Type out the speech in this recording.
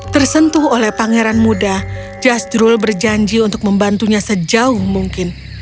tersentuh oleh pangeran muda jasdrul berjanji untuk membantunya sejauh mungkin